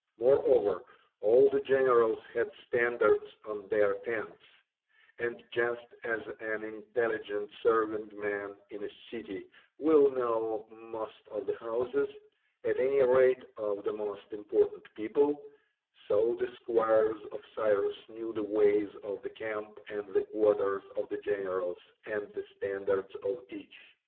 Moreover, all the generals had standards on their tents; and just as an intelligent serving man in a city will know most of the houses, at any rate of the most important people, so the squires of Cyrus knew the ways of the camp and the quarters of the generals and the standards of each.